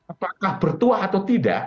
apakah bertuah atau tidak